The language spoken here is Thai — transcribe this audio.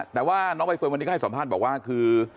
แต่ว่าน้องเรฟร์นวันนี้ให้สอบพรรดิบอกว่าคือ